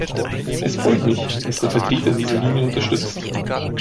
Es freut mich, dass der Vertreter diese Linie unterstützt.